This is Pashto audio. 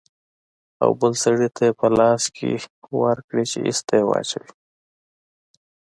او بل سړي ته يې په لاس کښې ورکړې چې ايسته يې واچوي.